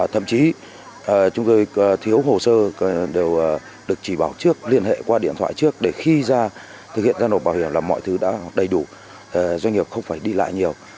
thậm chí chúng tôi thiếu hồ sơ đều được chỉ bảo trước liên hệ qua điện thoại trước để khi ra thực hiện giao nộp bảo hiểm là mọi thứ đã đầy đủ doanh nghiệp không phải đi lại nhiều